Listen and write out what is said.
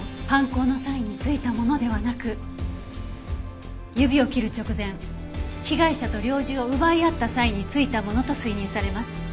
犯行の際に付いたものではなく指を切る直前被害者と猟銃を奪い合った際に付いたものと推認されます。